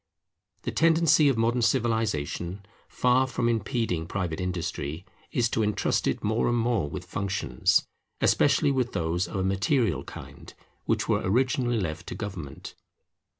The tendency of modern civilization, far from impeding private industry, is to entrust it more and more with functions, especially with those of a material kind, which were originally left to government.